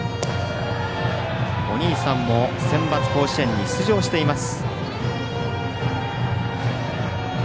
お兄さんもセンバツ甲子園に出場しています。